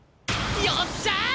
よっしゃあ！